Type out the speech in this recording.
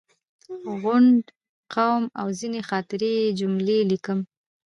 غونډ، قوم او ځینې خاطرې یې جملې ولیکم.